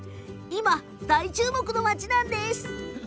今、大注目の町なんですよ。